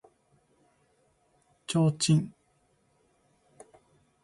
提灯